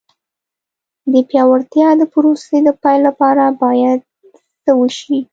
د پیاوړتیا د پروسې د پیل لپاره باید څه وشي.